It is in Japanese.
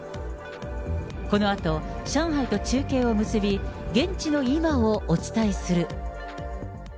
このあと上海と中継を結び、現地の今をお伝えする。